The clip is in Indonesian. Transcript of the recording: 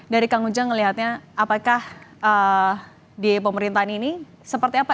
dari kang ujang melihatnya apakah di pemerintahan ini seperti apa